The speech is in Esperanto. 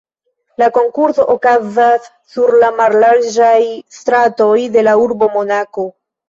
La konkurso okazas sur la mallarĝaj stratoj de la urbo Monako.